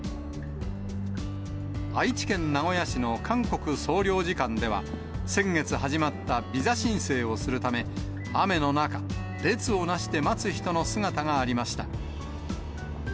愛知県名古屋市の韓国総領事館では、先月始まったビザ申請をするため、雨の中、列をなして待つ人の姿がありました。